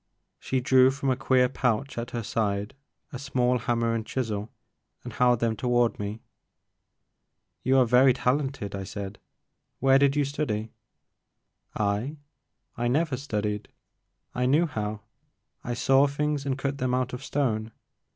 She drew from a queer pouch at her side a small hammer and chisel and held them toward me. You are very talented," I said, where did you study?" *'I? I never studied, — I knew how. I saw things and cut them out of stone.